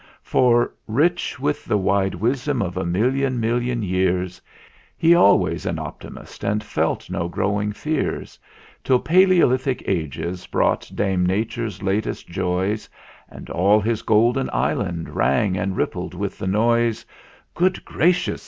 IX. For, rich with the wide wisdom of a million mil lion years, He always an optimist and felt no growing fears, Till Palaeolithic ages brought Dame Nature's latest joys, And all his Golden Island rang and rippled with the noise. THE ENTERTAINMENT 125 "Good gracious